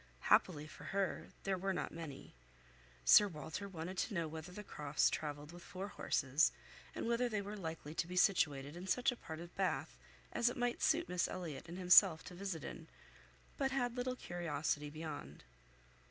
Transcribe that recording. Happily for her, they were not many. Sir Walter wanted to know whether the Crofts travelled with four horses, and whether they were likely to be situated in such a part of Bath as it might suit Miss Elliot and himself to visit in; but had little curiosity beyond.